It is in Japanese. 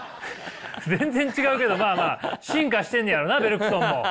全然違うけどまあまあ進化してんねやろなベルクソンも。